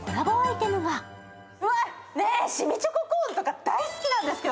ねぇ、しみチョココーンとか大好きなんですけど。